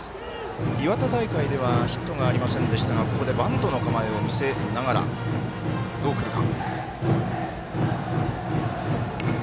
岩手大会ではヒットありませんでしたがここでバントの構えを見せながらどうくるか。